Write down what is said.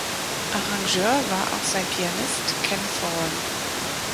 Arrangeur war auch sein Pianist Ken Thorne.